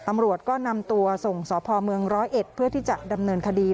ตำรวจก็นำตัวส่งสพเมืองร้อยเอ็ดเพื่อที่จะดำเนินคดี